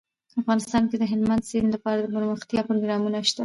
افغانستان کې د هلمند سیند لپاره دپرمختیا پروګرامونه شته.